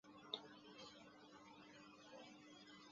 伯先路最初的名称是南马路。